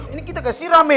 ini kita gak siram meh